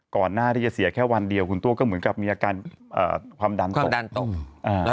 ก่อนหน้าที่จะเสียแค่วันเดียวคุณตัวก็เหมือนกับมีอาการความดันตกดันตก